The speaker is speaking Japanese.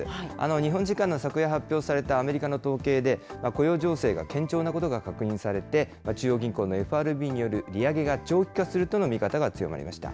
日本時間の昨夜発表されたアメリカの統計で雇用情勢が堅調なことが確認されて、中央銀行のＦＲＢによる利上げが長期化するとの見方が強まりました。